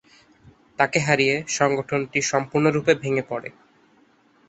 তাকে হারিয়ে সংগঠনটি সম্পূর্ণরূপে ভেঙেপড়ে।